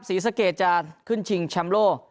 ศรีสะเกดจะขึ้นชิงแชมป์โลก